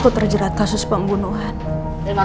aku terjerat kasus pembunuhan